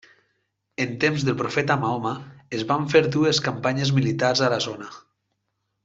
En temps del profeta Mahoma es van fer dues campanyes militars a la zona.